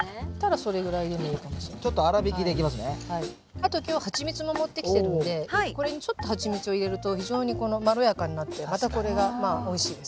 あと今日蜂蜜も持ってきてるのでこれにちょっと蜂蜜を入れると非常にまろやかになってまたこれがまあおいしいです。